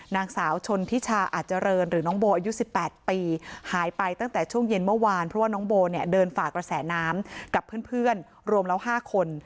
นางสาวชนทิชาอาจเจริญหรือน้องโบอายุ๑๘ปีหายไปตั้งแต่ช่วงเย็นเมื่อวานเพราะว่าน้องโบเนี่ยเดินฝากระแสน้ำกับเพื่อนรวมแล้ว๕คน